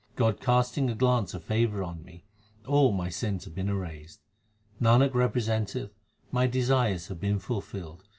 God casting a glance of favour on me, all my sins have been erased. Nanak representeth, my desires have been fulfilled.